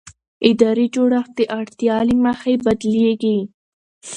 اداري جوړښت د اړتیا له مخې بدلېږي.